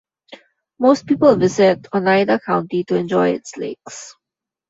Most people visit Oneida County to enjoy its lakes.